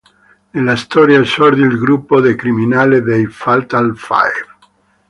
Nella storia esordì il gruppo di criminale dei Fatal Five.